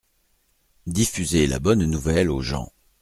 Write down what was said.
Diffuser la bonne nouvelle aux gens.